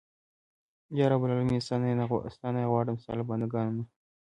یا رب العالمینه ستا نه یې غواړم ستا له بنده ګانو نه.